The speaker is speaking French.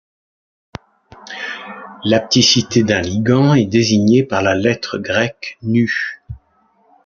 L'hapticité d'un ligand est désigné par la lettre grecque η.